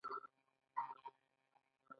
چې دوی یې تر دې ځایه راوستل.